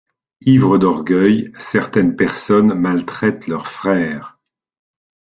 Ivres d'orgueil, certaines personnes maltraitent leurs frères.